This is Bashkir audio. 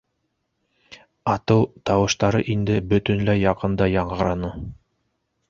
Атыу тауыштары инде бөтөнләй яҡында яңғыраны.